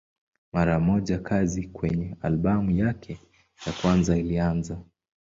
Mara moja kazi kwenye albamu yake ya kwanza ilianza.